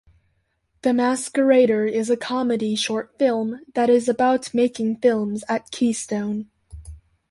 The Masquerader is a comedy short film, that is about making films at Keystone.